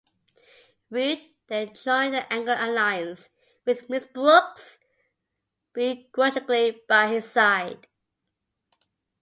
Roode then joined the Angle Alliance with Ms. Brooks begrudgingly by his side.